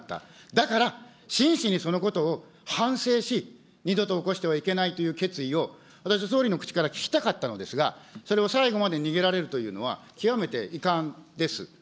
だから真摯にそのことを反省し、二度と起こしてはいけないという決意を私、総理の口から聞きたかったのですが、それを最後まで逃げられるというのは、極めて遺憾です。